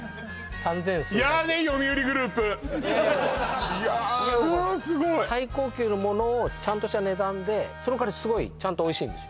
三千数百円嫌ね読売グループいやいやいやすごい最高級のものをちゃんとした値段でその代わりすごいちゃんとおいしいんですよ